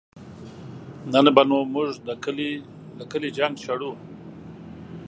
نن به نو مونږ له کلي جنګ شړو